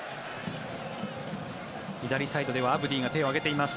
左サイドではアブディが手を上げています。